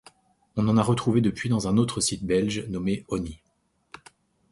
On en a retrouvé depuis dans un autre site belge nommé Hony.